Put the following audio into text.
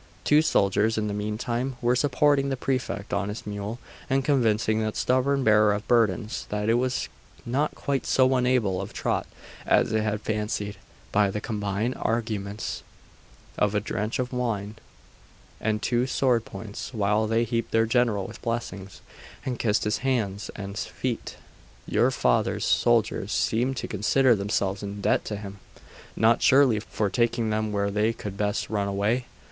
Two soldiers in the meantime were supporting the Prefect on his mule, and convincing that stubborn bearer of burdens that it was not quite so unable to trot as it had fancied, by the combined arguments of a drench of wine and two sword points, while they heaped their general with blessings, and kissed his hands and feet. 'Your father's soldiers seem to consider themselves in debt to him: not, surely, for taking them where they could best run away?